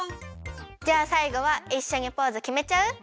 じゃあさいごはいっしょにポーズきめちゃう！？